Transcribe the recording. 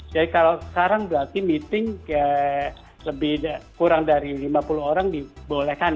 jadi kalau sekarang berarti meeting kurang dari lima puluh orang di bolehkan